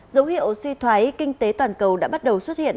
dấu hiệu suy thoái kinh tế toàn cầu đã bắt đầu xuất hiện